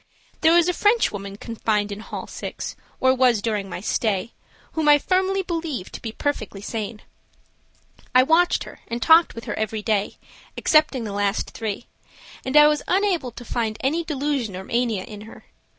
There is a Frenchwoman confined in hall 6, or was during my stay, whom I firmly believe to be perfectly sane. I watched her and talked with her every day, excepting the last three, and I was unable to find any delusion or mania in her.